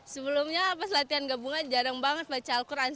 sebelumnya pas latihan gabungan jarang banget baca al quran